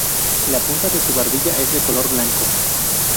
La punta de su barbilla es de color blanco.